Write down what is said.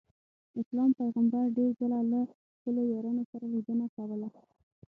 اسلام پیغمبر ډېر ځله له خپلو یارانو سره لیدنه کوله.